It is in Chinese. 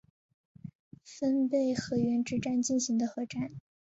分倍河原之战进行的合战。